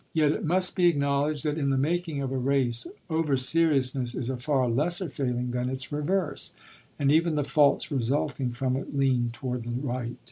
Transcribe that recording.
Yet it must be acknowledged that in the making of a race overseriousness is a far lesser failing than its reverse, and even the faults resulting from it lean toward the right.